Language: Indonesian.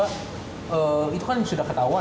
karena itu kan sudah ketahuan